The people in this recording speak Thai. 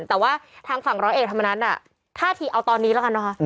แต่ว่าทางฝั่งร้อยเอกธรรมนัฐท่าทีเอาตอนนี้แล้วกันนะคะ